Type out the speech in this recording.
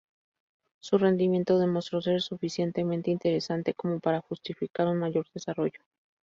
Su rendimiento demostró ser suficientemente interesante como para justificar un mayor desarrollo.